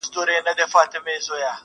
ما وې خفه یمه په زړۀ مې درد دی ,